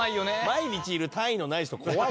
「毎日いる単位のない人怖い」